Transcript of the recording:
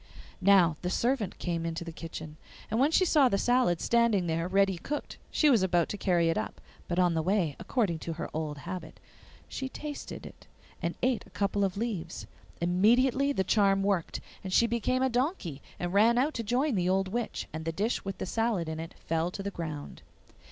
Now the servant came into the kitchen, and when she saw the salad standing there ready cooked she was about to carry it up, but on the way, according to her old habit, she tasted it and ate a couple of leaves. Immediately the charm worked, and she became a donkey, and ran out to join the old witch, and the dish with the salad in it fell to the ground.